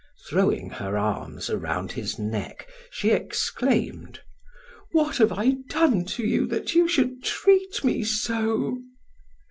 Throwing her arms around his neck, she exclaimed: "What have I done to you that you should treat me so?"